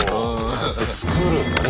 作るんだね